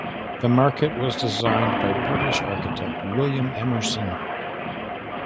The market was designed by British architect William Emerson.